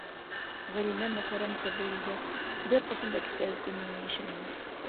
Ғәлимә Мөхәррәм ҡыҙы иһә бер ҡасан да кисәге көн менән йәшәмәне.